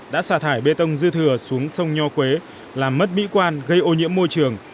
đã xả thải bê tông dư thừa xuống sông nho quế làm mất mỹ quan gây ô nhiễm môi trường